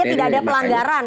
artinya tidak ada pelanggaran